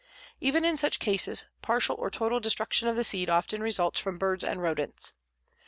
Even in such cases partial or total destruction of the seed often results from birds and rodents.